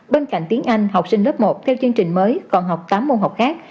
bên cạnh tiếng anh học sinh lớp một theo chương trình mới còn học tám môn học khác